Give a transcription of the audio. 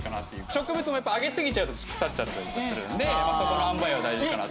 植物もやっぱあげすぎちゃうと腐っちゃったりするんでそこの塩梅は大事かなと。